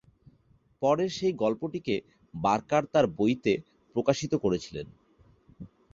পরে সেই গল্পটিকে বার্কার তার বইতে প্রকাশিত করেছিলেন।